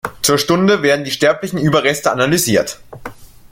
Zur Stunde werden die sterblichen Überreste analysiert.